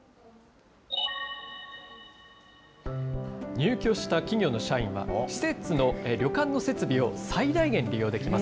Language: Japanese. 入居した企業の社員は、旅館の設備を最大限利用できます。